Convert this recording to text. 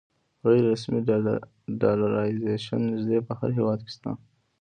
غیر رسمي ډالرایزیشن نږدې په هر هېواد کې شته.